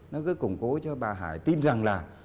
nó cứ củng cố cho bà hải tin rằng là